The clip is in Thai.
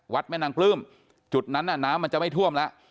วัดแม่นางปลื้มจุดนั้นน่ะน้ำมันจะไม่ท่วมละ